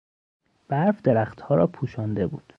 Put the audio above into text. برف درختها را پوشانده بود.